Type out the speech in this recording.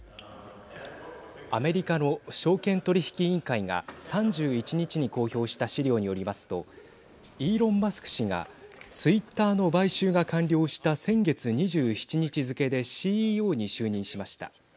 アメリカの証券取引委員会が３１日に公表した資料によりますとイーロン・マスク氏がツイッターの買収が完了した先月２７日付けでＣＥＯに就任しました。